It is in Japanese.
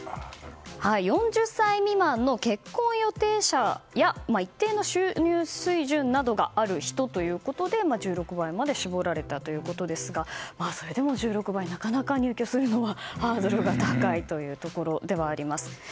４０歳未満の結婚予定者や一定の収入水準などがある人ということで、１６倍まで絞られたということですがそれでも１６倍なかなか入居するのはハードルが高いところではあります。